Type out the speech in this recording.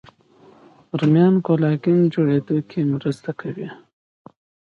رومیان د کولاګین جوړېدو کې مرسته کوي